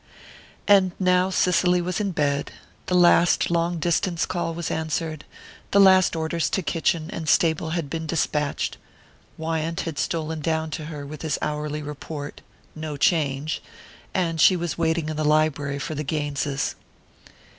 And now Cicely was in bed, the last "long distance" call was answered, the last orders to kitchen and stable had been despatched, Wyant had stolen down to her with his hourly report "no change" and she was waiting in the library for the Gaineses.